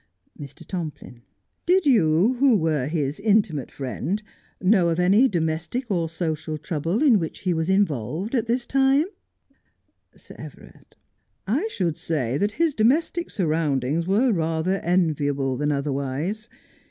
Mr. Tomplin : Did you, who were his intimate friend, know of any domestic or social trouble in which he was involved at this time 1 Sir Everard : I should say that his domestic surroundings were rather enviable than otherwise.